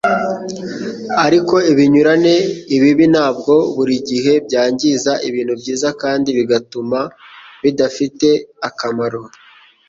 ariko ibinyuranye, ibibi ntabwo buri gihe byangiza ibintu byiza kandi bigatuma bidafite akamaro.